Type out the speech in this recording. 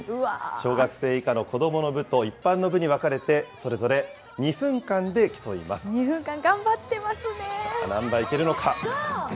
小学生以下の子どもの部と一般の部に分かれて、それぞれ２分間で２分間、何杯いけるのか。